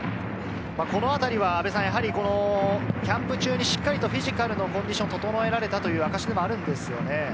このあたりはやはりキャンプ中にしっかりとフィジカルのコンディションを整えられたという証しでもあるんですよね。